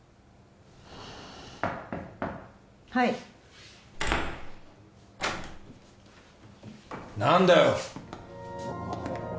はい何だよ